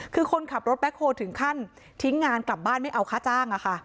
คือคนขับรถแบ็คโฮลถึงขั้นทิ้งงานกลับบ้านไม่เอาค่าจ้าง